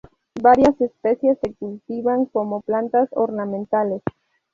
Varias especies se cultivan como plantas ornamentales.